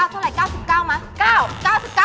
๙เท่าไหร่๙๙มั้ย